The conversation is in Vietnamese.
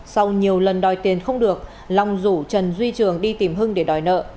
sau nhiều lần đòi tiền không được long rủ trần duy trường đi tìm hưng để đòi nợ